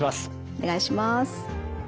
お願いします。